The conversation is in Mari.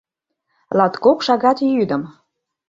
ЛАТКОК ШАГАТ ЙӰДЫМ